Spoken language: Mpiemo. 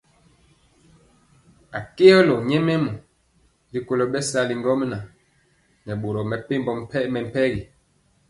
Akɛolo nyɛmemɔ rikolo bɛsali ŋgomnaŋ nɛ boro mepempɔ mɛmpegi.